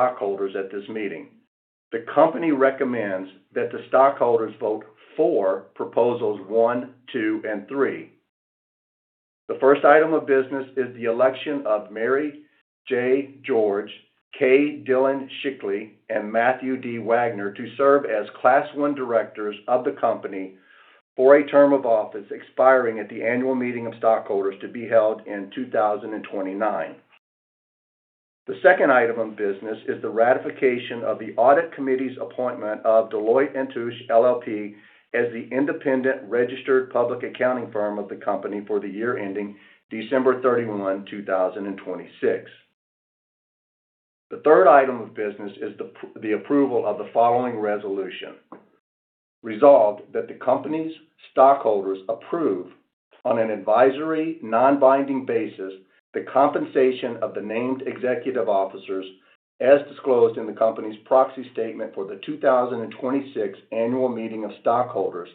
Stockholders at this meeting. The company recommends that the stockholders vote for Proposals 1, 2, and 3. The first item of business is the election of Mary J. George, K. Dillon Schickli, and Matthew D. Wagner to serve as Class I directors of the company for a term of office expiring at the annual meeting of stockholders to be held in 2029. The second item of business is the ratification of the audit committee's appointment of Deloitte & Touche LLP as the independent registered public accounting firm of the company for the year ending December 31, 2026. The third item of business is the approval of the following resolution. Resolved that the company's stockholders approve, on an advisory non-binding basis, the compensation of the named executive officers as disclosed in the company's proxy statement for the 2026 annual meeting of stockholders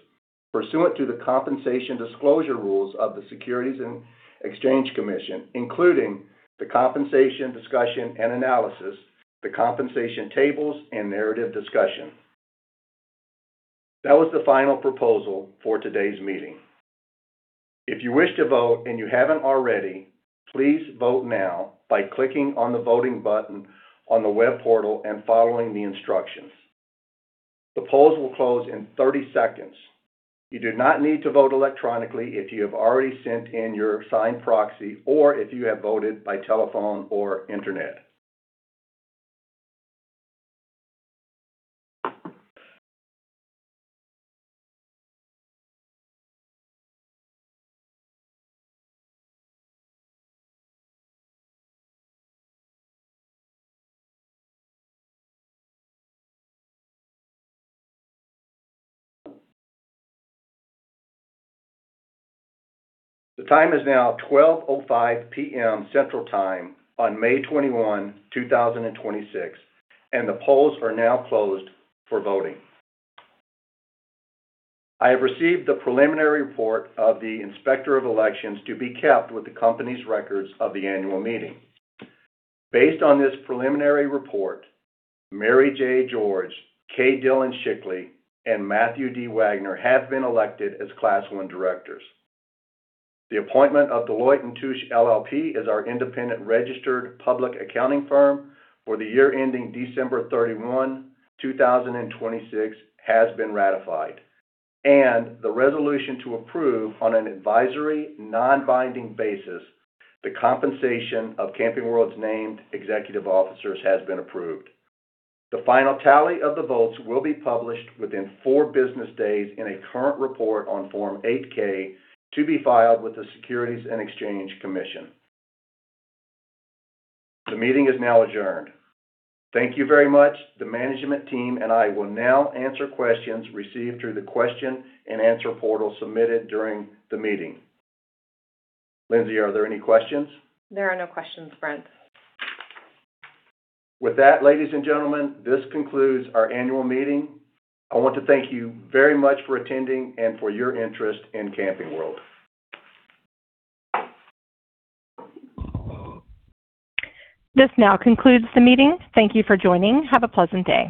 pursuant to the compensation disclosure rules of the Securities and Exchange Commission, including the compensation discussion and analysis, the compensation tables, and narrative discussion. That was the final proposal for today's meeting. If you wish to vote and you haven't already, please vote now by clicking on the voting button on the web portal and following the instructions. The polls will close in 30 seconds. You do not need to vote electronically if you have already sent in your signed proxy, or if you have voted by telephone or internet. The time is now 12:05 P.M. Central Time on May 21, 2026, and the polls are now closed for voting. I have received the preliminary report of the Inspector of Elections to be kept with the company's records of the annual meeting. Based on this preliminary report, Mary J. George, K. Dillon Schickli, and Matthew D. Wagner have been elected as Class I directors. The appointment of Deloitte & Touche LLP as our independent registered public accounting firm for the year ending December 31, 2026, has been ratified. The resolution to approve, on an advisory non-binding basis, the compensation of Camping World's named executive officers has been approved. The final tally of the votes will be published within four business days in a current report on Form 8-K to be filed with the Securities and Exchange Commission. The meeting is now adjourned. Thank you very much. The management team and I will now answer questions received through the question and answer portal submitted during the meeting. Lindsey, are there any questions? There are no questions, Brett. With that, ladies and gentlemen, this concludes our annual meeting. I want to thank you very much for attending and for your interest in Camping World. This now concludes the meeting. Thank you for joining. Have a pleasant day.